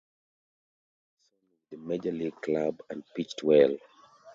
He started the season with the major league club and pitched well.